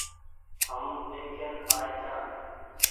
هم ۮيکين آئي ڇآن ۔